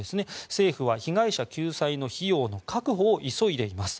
政府は被害者救済の費用の確保を急いでいます。